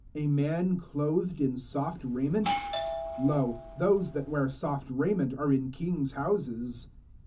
A man clothed in soft rai ment ? Lo, those that wear soft raiment are in kings' houses.